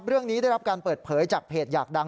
เรื่องนี้ได้รับการเปิดเผยจากเพจอยากดัง